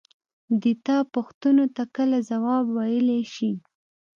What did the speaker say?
دى د تا پوښتنو ته کله ځواب ويلاى شي.